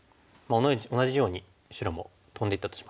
同じように白もトンでいったとします。